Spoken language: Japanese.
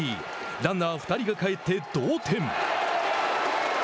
ランナー２人が帰って同点。